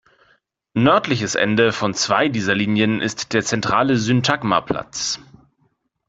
Nördliches Ende von zwei dieser Linien ist der zentrale Syntagma-Platz.